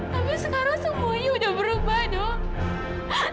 tapi sekarang semuanya udah berubah dong